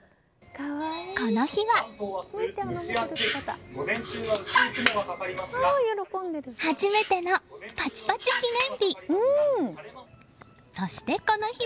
この日は初めてのパチパチ記念日。